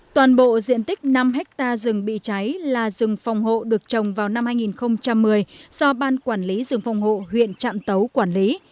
toàn bộ diện tích năm hectare rừng bị cháy là rừng phòng hộ được trồng vào năm hai nghìn một mươi do ban quản lý rừng phòng hộ huyện trạm tấu quản lý